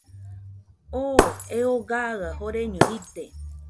Oo eo gaɨa joreño jide.